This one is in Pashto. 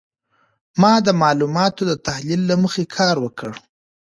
ما د معلوماتو د تحلیلې له مخي کار وکړ.